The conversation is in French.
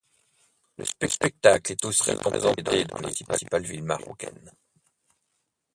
Le spectacle est aussi présenté dans les principales villes marocaines.